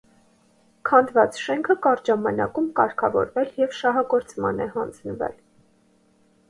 Քանդված շենքը կարճ ժամանակում կարգավորվել և շահագործման է հանձնվել։